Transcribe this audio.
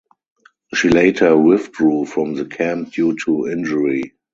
She later withdrew from the camp due to injury.